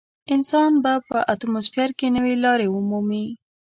انسان به په اتموسفیر کې نوې لارې مومي.